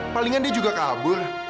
palingan dia juga kabur